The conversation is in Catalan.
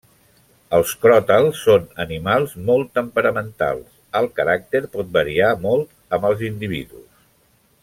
Els cròtals són animals molt temperamentals, el caràcter pot variar molt amb els individus.